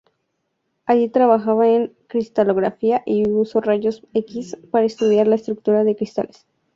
Allí trabajó en cristalografía y usó rayos X para estudiar la estructura de cristales.